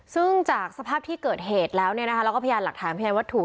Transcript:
ซึ่งจากสภาพที่เกิดเหตุแล้วแล้วก็พยานหลักฐานพยานวัตถุ